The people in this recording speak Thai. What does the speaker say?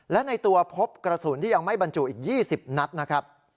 และในตัวพบกระสุนที่ยังไม่บรรจุอีก๒๐นัดนะครับ